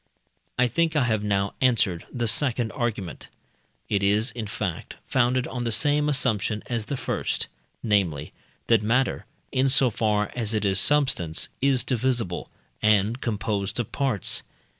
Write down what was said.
I think I have now answered the second argument; it is, in fact, founded on the same assumption as the first namely, that matter, in so far as it is substance, is divisible, and composed of parts.